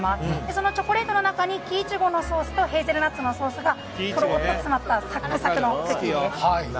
そのチョコレートの中に木苺のソースとヘーゼルナッツのソースがゴロッと詰まったサックサクのクッキーです。